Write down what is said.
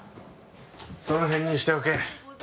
その辺にしておけ。